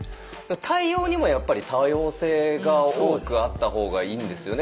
対応にも多様性が多くあったほうがいいんですよね